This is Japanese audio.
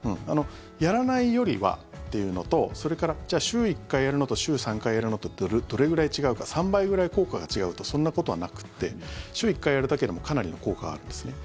やらないよりはっていうのとそれから、週１回やるのと週３回やるのとどれぐらい違うか３倍ぐらい効果が違うとかそんなことはなくて週１回やるだけでもかなりの効果があるんですね。